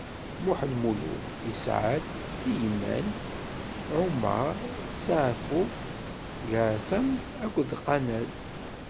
Muḥ Lmulud isɛa-d: Tiyman, Umar, Ṣafu, Gaɛatam akked Qanaz.